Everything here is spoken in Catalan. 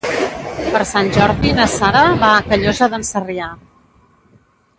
Per Sant Jordi na Sara va a Callosa d'en Sarrià.